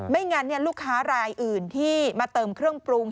งั้นลูกค้ารายอื่นที่มาเติมเครื่องปรุง